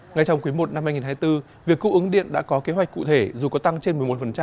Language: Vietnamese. ngay trong quý i năm hai nghìn hai mươi bốn việc cung ứng điện đã có kế hoạch cụ thể dù có tăng trên một mươi một